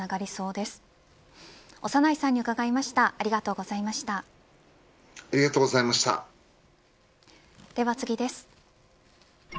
では次です。